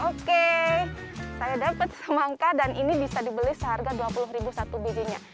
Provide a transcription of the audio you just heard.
oke saya dapat semangka dan ini bisa dibeli seharga dua puluh satu bijinya